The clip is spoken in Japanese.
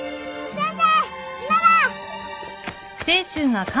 先生！